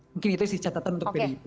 mungkin itu sih catatan untuk pdip